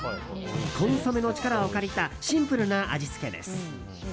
コンソメの力を借りたシンプルな味付けです。